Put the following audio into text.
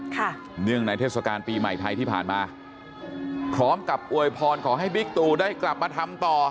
เนื่องในเทศกาลปีใหม่ไทยที่ผ่านมาพร้อมกับอวยพรขอให้บิ๊กตูได้กลับมาทำต่อ